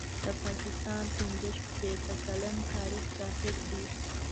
د پاکستان پنځه شپېته کلن تاریخ شاهد دی.